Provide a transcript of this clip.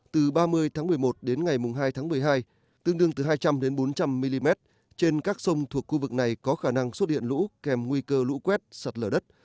từ ba mươi tháng một mươi một đến ngày hai tháng một mươi hai tương đương từ hai trăm linh bốn trăm linh mm trên các sông thuộc khu vực này có khả năng xuất hiện lũ kèm nguy cơ lũ quét sạt lở đất